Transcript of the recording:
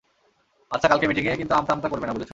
আচ্ছা, কালকে মিটিঙে কিন্তু আমতা আমতা করবে না, বুঝেছ?